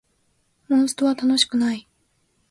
モンストは楽しくない